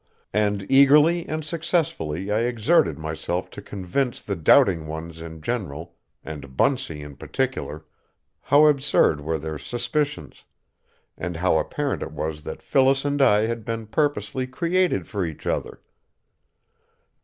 And eagerly and successfully I exerted myself to convince the doubting ones in general, and Bunsey in particular, how absurd were their suspicions, and how apparent it was that Phyllis and I had been purposely created for each other.